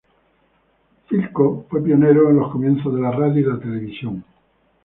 Philco fue pionero en los comienzos de la radio y la televisión.